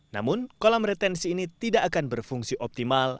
namun kolam retensi ini tidak akan berfungsi optimal